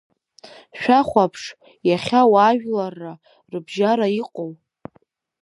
Шәахәаԥш, иахьа ауаажәларра рыбжьара иҟоу.